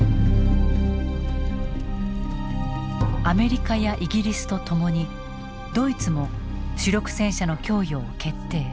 アメリカやイギリスとともにドイツも主力戦車の供与を決定。